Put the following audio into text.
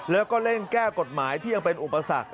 แล้วก็เร่งแก้กฎหมายที่ยังเป็นอุปสรรค